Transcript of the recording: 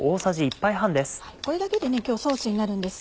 これだけで今日ソースになるんです。